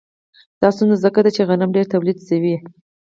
دا ستونزه ځکه ده چې غنم ډېر تولید شوي